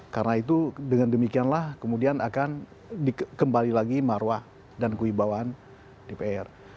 karena itu dengan demikianlah kemudian akan kembali lagi marwah dan kewibawaan dpr